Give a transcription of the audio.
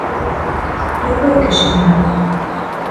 Ябай кеше мин.